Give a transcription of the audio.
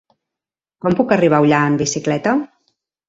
Com puc arribar a Ullà amb bicicleta?